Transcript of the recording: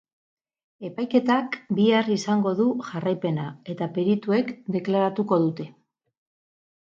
Epaiketak bihar izango du jarraipena eta perituek deklaratuko dute.